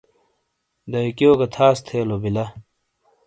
دیکیو گہ تھاس تھے لو بیلا ۔